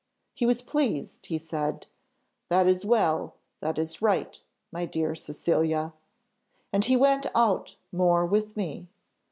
He was pleased; he said, 'That is well, that is right, my dear Cecilia.' And he went out more with me.